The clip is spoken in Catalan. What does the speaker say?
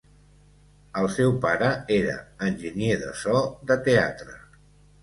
El seu pare era enginyer de so de teatre.